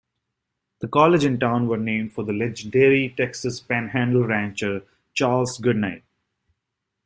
The college and town were named for the legendary Texas Panhandle rancher Charles Goodnight.